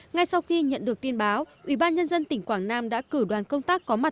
ngay sau khi nhận được tin báo ủy ban nhân dân tỉnh quảng nam đã cử đoàn công tác có mặt